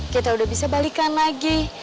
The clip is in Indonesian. kita udah bisa balikan lagi